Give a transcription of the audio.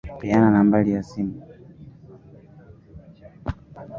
Peana nambari ya simu.